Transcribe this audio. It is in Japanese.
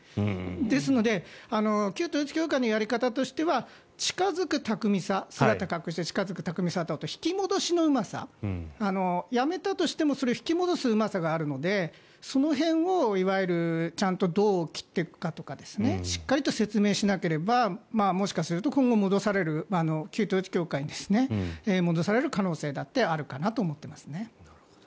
ですので旧統一教会のやり方としては近付く巧みさ姿隠して近付く巧みさと引き戻しのうまさ辞めたとしてもそれを引き戻すうまさがあるのでその辺を、いわゆるちゃんとどう切っていくかとかしっかりと説明しなければもしかすると今後、旧統一教会に戻される可能性だってあるかなと思ってますね。